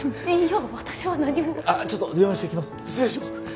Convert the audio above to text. いいや私は何もちょっと電話してきます